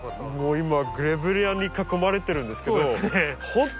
もう今グレビレアに囲まれてるんですけど。